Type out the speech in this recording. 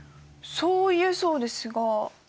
そう言えそうですが。